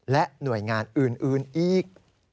และหน่วยงานอื่นอีก